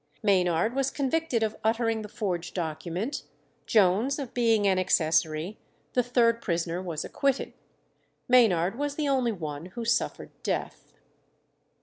Maynard was convicted of uttering the forged document, Jones of being an accessory; the third prisoner was acquitted. Maynard was the only one who suffered death.